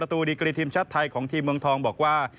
แล้วก็สาบประตูดิกริย์ทีมชาติไทยของทีมเมืองทองบอกว่า